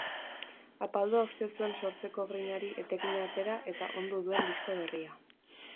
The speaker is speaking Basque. Apaldua uste zuen sortzeko grinari etekina atera eta ondu duen disko berria.